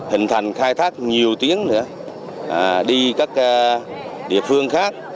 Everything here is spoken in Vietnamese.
hình thành khai thác nhiều tiếng nữa đi các địa phương khác